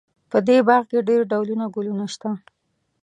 په دې باغ کې ډېر ډولونه ګلونه شته